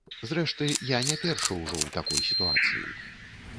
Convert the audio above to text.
Зрэшты, я не першы ўжо ў такой сітуацыі.